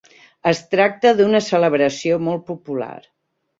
Es tracta d'una celebració molt popular.